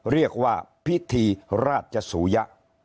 เรียกว่าพิธีราชสูยะ